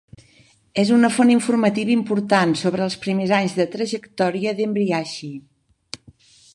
És una font informativa important sobre els primers anys de trajectòria d'Embriachi.